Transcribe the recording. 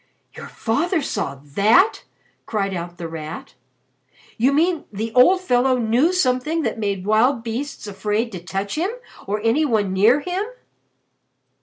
"Your father saw that!" cried out The Rat. "You mean the old fellow knew something that made wild beasts afraid to touch him or any one near him?"